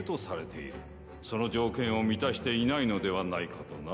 その条件を満たしていないのではないかとな。